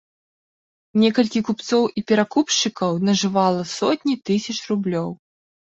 Некалькі купцоў і перакупшчыкаў нажывала сотні тысяч рублёў.